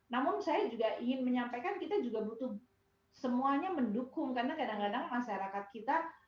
namun saya juga ingin menyampaikan kita juga butuh semuanya mendukung karena kadang kadang masyarakat kita